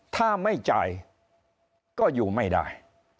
ถ้าไม่จ่ายก็อยู่ไม่ได้